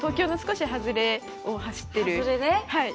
はい。